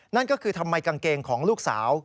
นั่นก็คือทำไมกางเกงของลูกสาว